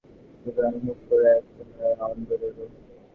শুকনো মুখ করে এক সময়ে অন্দরে এল।